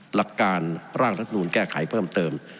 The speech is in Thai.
หลักการร่างรัฐมนูลแก้ไขเพิ่มเติม